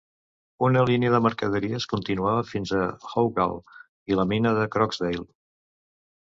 Una línia de mercaderies continuava fins a Houghall i la mina de Croxdale.